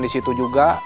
di situ juga